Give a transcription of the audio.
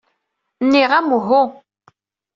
Nniɣ-am uhu.